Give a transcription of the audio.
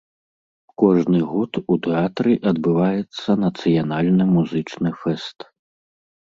Кожны год у тэатры адбываецца нацыянальны музычны фэст.